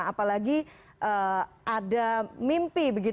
apalagi ada mimpi